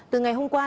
từ ngày hôm qua